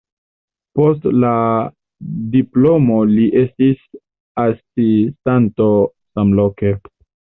Post la diplomo li estis asistanto samloke.